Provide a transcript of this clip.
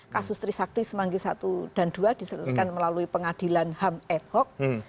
kasus trisakti semanggi satu dan dua diselesaikan melalui pengadilan ham ad hoc